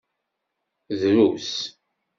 Drus.